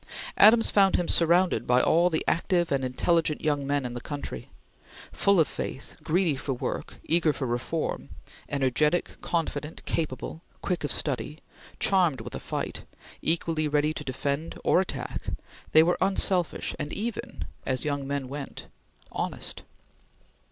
Adams found him surrounded by all the active and intelligent young men in the country. Full of faith, greedy for work, eager for reform, energetic, confident, capable, quick of study, charmed with a fight, equally ready to defend or attack, they were unselfish, and even as young men went honest.